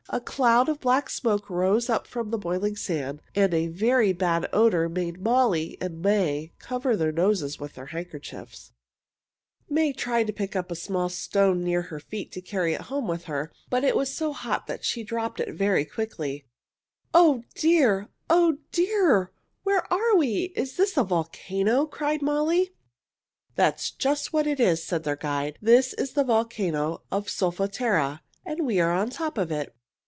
A cloud of black smoke rose from the boiling sand, and a very bad odor made Molly and May cover their noses with their handkerchiefs. May tried to pick up a small stone near her feet to carry home with her, but it was so hot she dropped it very quickly. [Illustration: "Oh! oh!" cried May. "Is the world going to burn up?"] "Oh, dear! Oh, dear! Where are we? Is this a volcano?" cried Molly. "That's just what it is," said their guide. "This is the volcano of Solfatara, and we are on the top of it.